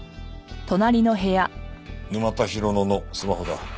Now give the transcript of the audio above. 沼田洋乃のスマホだ。